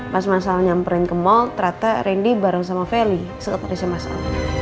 pas mas al nyamperin ke mall ternyata rendy bareng sama feli sekitar rizie mas al